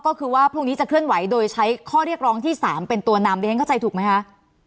ก็คือว่าพรุ่งนี้จะเคลื่อนไหวโดยใช้ข้อเรียกร้องที่๓เป็นตัวนำดิฉันเข้าใจถูกไหมคะ